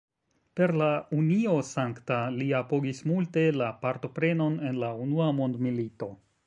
Per la "Unio Sankta", li apogis multe la partoprenon en la unua mondmilito.